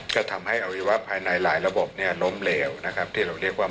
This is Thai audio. ก็ทำให้อวัยวะภายในหลายระบบเนี่ยล้มเหลวนะครับที่เราเรียกว่า